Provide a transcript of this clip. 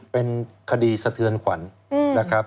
เป็นคดีสะเทือนขวัญนะครับ